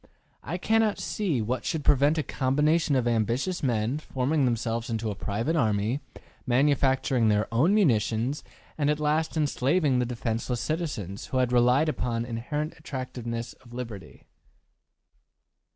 I cannot see what should prevent a combination of ambitious men forming themselves into a private army, manufacturing their own munitions, and at last enslaving the defenseless citizens, who had relied upon the inherent attractiveness of liberty.